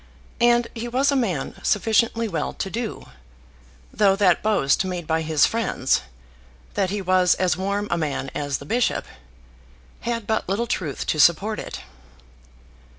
And he was a man sufficiently well to do, though that boast made by his friends, that he was as warm a man as the bishop, had but little truth to support it.